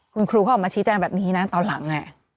คุณครูเขาออกมาชี้แจงแบบนี้นะตอนหลัง